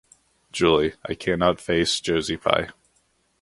Julie, I cannot face Josie Pye.